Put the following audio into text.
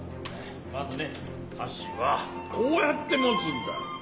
まずねはしはこうやってもつんだよ。